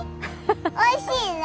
おいしいの？